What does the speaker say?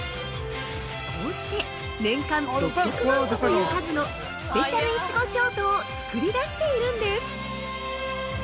◆こうして年間６００万個という数のスペシャル苺ショートを作り出しているんです。